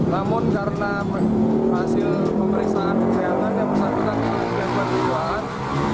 namun karena hasil pemeriksaan persayangan dan persatuan kita yang berkejuaan